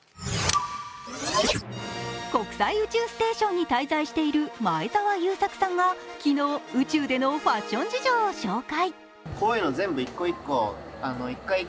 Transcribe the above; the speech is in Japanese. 国際宇宙ステーションに滞在している前澤友作さんが宇宙でのファッション事情を紹介。